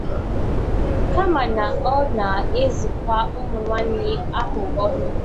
kama na ọ na-ezukwa ụmụnwaanyị ahụ ohi